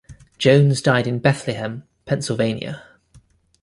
Jones died in Bethlehem, Pennsylvania.